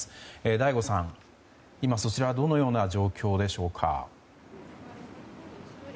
醍醐さん、今そちらはどのような状況でしょうか。